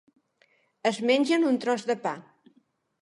Es mengen un tros de pa.